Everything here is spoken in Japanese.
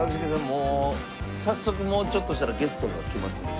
もう早速もうちょっとしたらゲストが来ますんで。